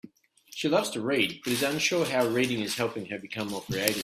She loves to read, but is unsure how reading is helping her become more creative.